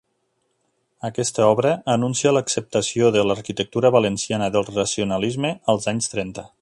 Aquesta obra anuncia l'acceptació de l'arquitectura valenciana del racionalisme als anys trenta.